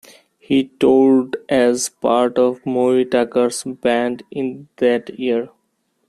He toured as part of Moe Tucker's band in that year.